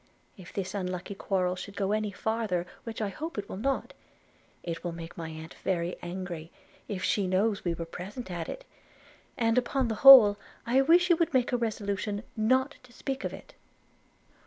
If this unlucky quarrel should go any farther, which I hope it will not, it will make my aunt very angry if she knows we were present at it; – and, upon the whole, I wish you would make a resolution not to speak of it.'